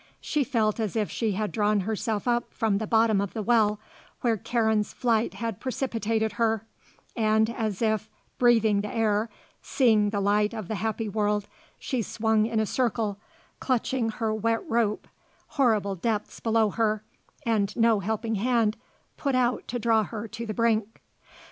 She felt as if she had drawn herself up from the bottom of the well where Karen's flight had precipitated her and as if, breathing the air, seeing the light of the happy world, she swung in a circle, clutching her wet rope, horrible depths below her and no helping hand put out to draw her to the brink.